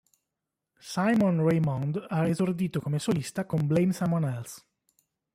Simon Raymonde ha esordito come solista con "Blame Someone Else".